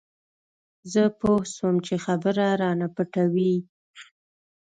زه پوه سوم چې خبره رانه پټوي.